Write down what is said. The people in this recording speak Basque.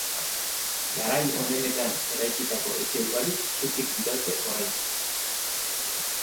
Garai onenetan eraikitako etxe ugarik zutik diraute oraindik.